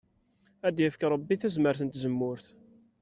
Ad k-yefk Ṛebbi tazmart n tzemmurt.